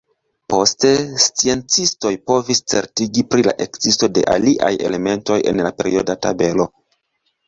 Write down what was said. Poste, sciencistoj povis certigi pri la ekzisto de aliaj elementoj en la perioda tabelo.